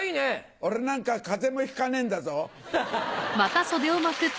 俺なんか風邪もひかねえんだぞ。